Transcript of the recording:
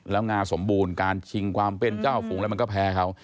แล้วงาสมบูรณ์การชิงความเป็นเจ้าฝูงอะไรมันก็แพ้เขา